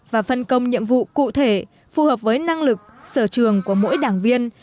và phân công nhiệm vụ cụ thể phù hợp với năng lực sở trường của mỗi đảng viên